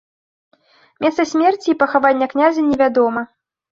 Месца смерці і пахавання князя невядома.